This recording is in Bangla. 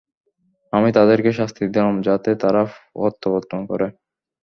আমি তাদেরকে শাস্তি দিলাম যাতে তারা প্রত্যাবর্তন করে।